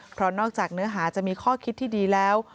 เพราะนอกจากเนื้อหาจะมีข้อคิดที่ดีแล้ว